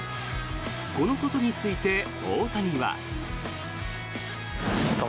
このことについて、大谷は。